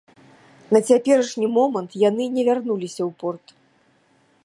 На цяперашні момант яны не вярнуліся ў порт.